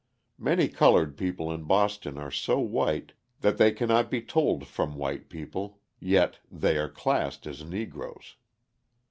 Many coloured people in Boston are so white that they cannot be told from white people, yet they are classed as Negroes.